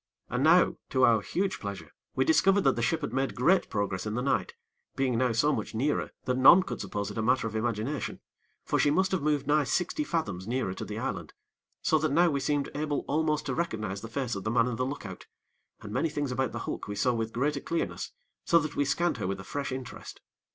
And now, to our huge pleasure, we discovered that the ship had made great progress in the night; being now so much nearer that none could suppose it a matter of imagination; for she must have moved nigh sixty fathoms nearer to the island, so that now we seemed able almost to recognize the face of the man in the look out; and many things about the hulk we saw with greater clearness, so that we scanned her with a fresh interest.